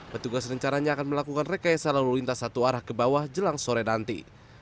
petugas rencananya akan melakukan rekayasa lalu lintas satu arah ke bawah jelang sore nanti